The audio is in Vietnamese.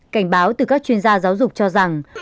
cảnh báo từ các chuyên gia giáo dục cho rằng